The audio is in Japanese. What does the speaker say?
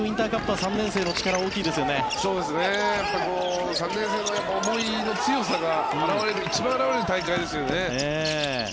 ３年生の思いの強さが一番表れる大会ですよね。